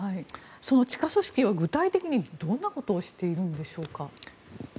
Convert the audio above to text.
地下組織は具体的にどんなことをしているのでしょうか。